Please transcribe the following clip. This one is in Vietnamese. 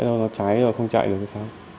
nếu nó cháy rồi không chạy được thì sao